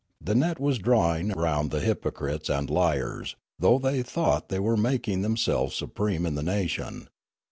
" The net was drawing round the hypocrites and liars, though they thought they were making them selves supreme in the nation.